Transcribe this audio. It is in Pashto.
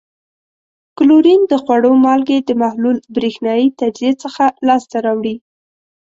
کلورین د خوړو مالګې د محلول برېښنايي تجزیې څخه لاس ته راوړي.